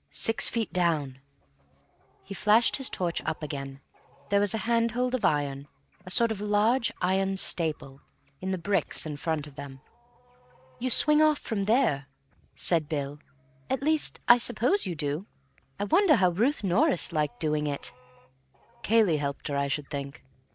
Six feet down." He flashed his torch up again. There was a handhold of iron, a sort of large iron staple, in the bricks in front of them. "You swing off from there," said Bill. "At least, I suppose you do. I wonder how Ruth Norris liked doing it." "Cayley helped her, I should think....